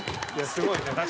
すごいな。